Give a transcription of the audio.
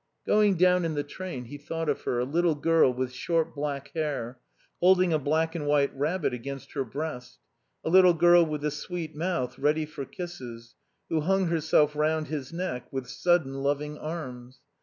Going down in the train he thought of her, a little girl with short black hair, holding a black and white rabbit against her breast, a little girl with a sweet mouth ready for kisses, who hung herself round his neck with sudden, loving arms.